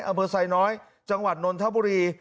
อำเภอไซน้อยจังหวัดนนทบุรี